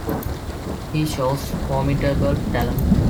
He shows formidable talent.